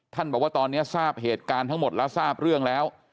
บอกว่าตอนนี้ทราบเหตุการณ์ทั้งหมดแล้วทราบเรื่องแล้ว